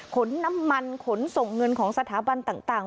ขนน้ำมันขนส่งเงินของสถาบันต่าง